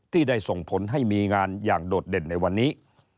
ที่ได้ส่งผลให้มีงานอย่างโดดเด่นในวันนี้